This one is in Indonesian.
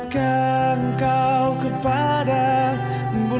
kami diem ya